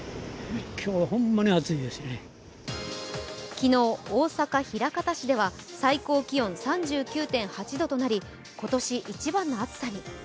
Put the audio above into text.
昨日、大阪・枚方市では最高気温３９．８度となり今年一番の暑さに。